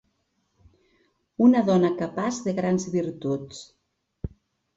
Una dona capaç de grans virtuts.